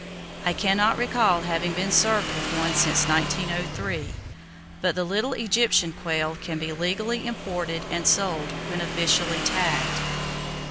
I can not recall having been served with one since 1903, but the little Egyptian quail can be legally imported and sold when officially tagged.